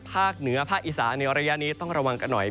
ภาคเหนือภาคอีสานในระยะนี้ต้องระวังกันหน่อย